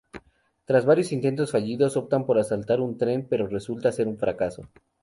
Tras varios intentos fallidos, optan por asaltar un tren, pero resulta ser un fracaso.